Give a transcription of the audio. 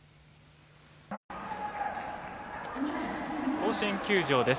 甲子園球場です。